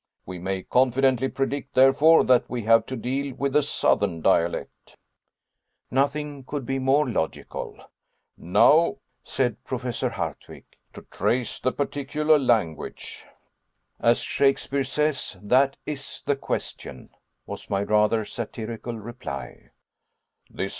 We may confidently predict, therefore, that we have to deal with a southern dialect." Nothing could be more logical. "Now," said Professor Hardwigg, "to trace the particular language." "As Shakespeare says, 'that is the question,"' was my rather satirical reply.